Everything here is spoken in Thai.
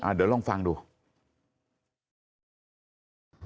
เดี๋ยวลองฟังดู